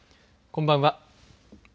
こんばんは。